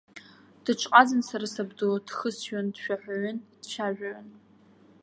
Дыҽҟазан сара сабду, дхысҩын, дшәаҳәаҩын, дцәажәаҩын.